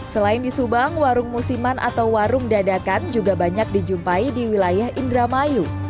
selain di subang warung musiman atau warung dadakan juga banyak dijumpai di wilayah indramayu